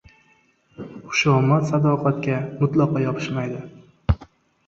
Xushomad sadoqatga mutlaqo yopishmaydi.